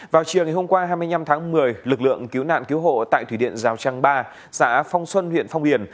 vào chiều ngày hôm qua hai mươi năm tháng một mươi lực lượng cứu nạn cứu hộ tại thủy điện rào trang ba xã phong xuân huyện phong điền